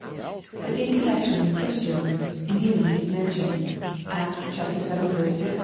But in connection with Christians, kneeling is mentioned (Acts vii. 60, ix.